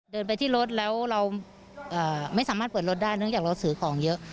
เดินไปที่รถแล้วเราไม่สามารถเปิดรถได้เนื่องจากเราซื้อของเยอะ